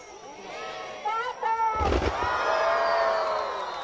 スタート！